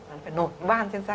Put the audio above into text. nó phải nổi ban trên da